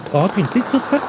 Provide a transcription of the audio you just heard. có thành tích xuất sắc